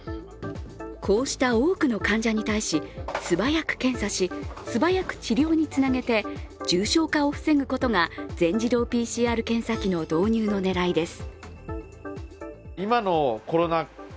こうした多くの患者に対し素早く検査し、素早く治療につなげて重症化を防ぐことが全自動ＰＣＲ検査機の導入の狙いです